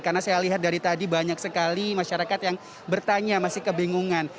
karena saya lihat dari tadi banyak sekali masyarakat yang bertanya masih kebingungan